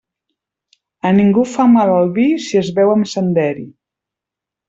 A ningú fa mal el vi si es beu amb senderi.